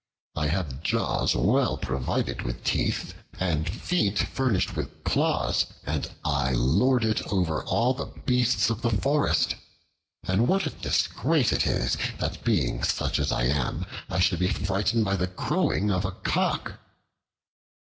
I have jaws well provided with teeth, and feet furnished with claws, and I lord it over all the beasts of the forest, and what a disgrace it is, that being such as I am, I should be frightened by the crowing of a cock."